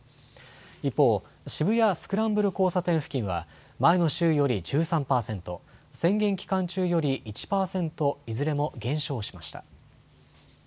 一方、渋谷スクランブル交差点付近は前の週より１３％、宣言期間中より１％いずれも減少しました。